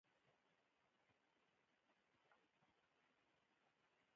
متل دی: دوښمن دې که ګیدړ هم وي چمتوالی به د زمري ورته نیسې.